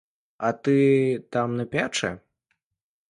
А ты там на печы?